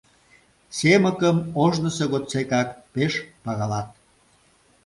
Семыкым ожнысо годсекак пеш пагалат.